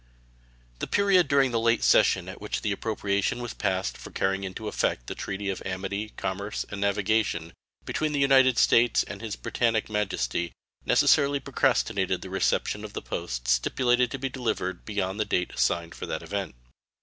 The period during the late session at which the appropriation was passed for carrying into effect the treaty of amity, commerce, and navigation between the United States and His Brittanic Majesty necessarily procrastinated the reception of the posts stipulated to be delivered beyond the date assigned for that event.